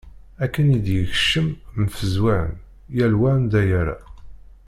Akken i d-yekcem, mfezwan. Yal wa anda yerra.